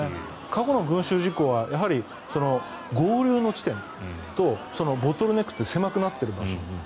過去の群衆事故はやはり合流の地点とボトルネックって狭くなってる場所